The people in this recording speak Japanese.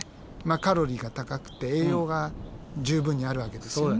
カロリーが高くて栄養が十分にあるわけですよね。